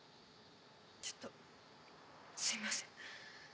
ちょっとすいません。